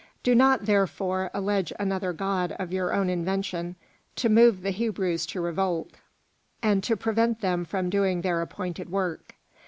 Do not, therefore, allege another god of your own invention to move the Hebrews to revolt, and to prevent them from doing their appointed work.